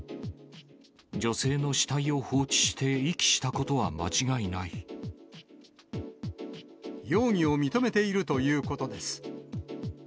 女性の死体を放置して遺棄し容疑を認めているということです。